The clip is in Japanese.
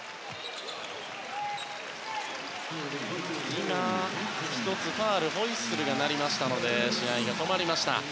今、１つファウルホイッスルが鳴りましたので試合が止まりました。